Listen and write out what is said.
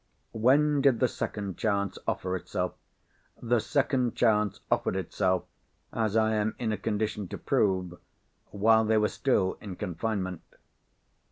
When did the second chance offer itself? The second chance offered itself—as I am in a condition to prove—while they were still in confinement."